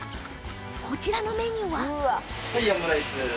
こちらのメニューは。